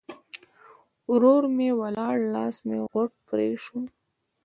ورور م ولاړ؛ لاس مې غوټ پرې شو.